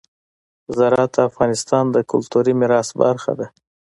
زراعت د افغانستان د کلتوري میراث برخه ده.